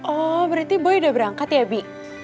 oh berarti boy udah berangkat ya bi